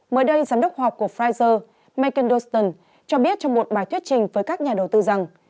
mới đây giám đốc học của pfizer megan dawson cho biết trong một bài thuyết trình với các nhà đầu tư rằng